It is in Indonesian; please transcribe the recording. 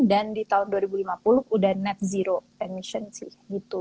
dan di tahun dua ribu lima puluh udah net zero emission sih gitu